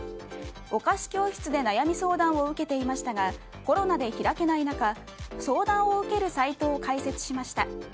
お菓子教室で悩み相談を受けていましたがコロナで開けない中相談を受けるサイトを開設しました。